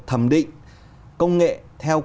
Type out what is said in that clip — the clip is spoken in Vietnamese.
thẩm định công nghệ theo